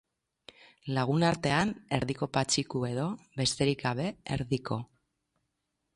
Lagunartean, Erdiko Patxiku edo, besterik gabe, Erdiko.